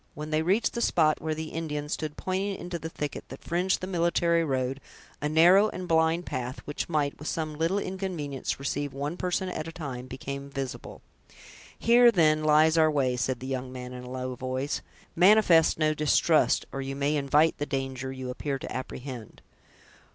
When they reached the spot where the Indian stood, pointing into the thicket that fringed the military road; a narrow and blind path, which might, with some little inconvenience, receive one person at a time, became visible. "Here, then, lies our way," said the young man, in a low voice. "Manifest no distrust, or you may invite the danger you appear to apprehend."